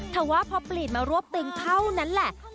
ถ้าว่าพอปลีนมารวบตึงเผ่านั้นแหละ